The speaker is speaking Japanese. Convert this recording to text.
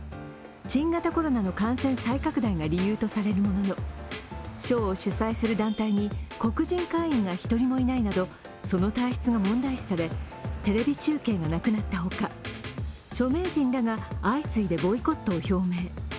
新型コロナの感染再拡大が理由とされるものの、賞を主催する団体に黒人会員が一人もいないなどその体質が問題視されテレビ中継がなくなったほか著名人らが相次いでボイコットを表明。